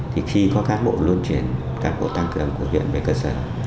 thì khi có cán bộ luân chuyển cán bộ tăng cường của huyện về cơ sở